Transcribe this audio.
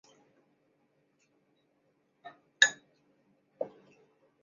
提欧多洛现在在拿坡里拥有一个纪念墓园。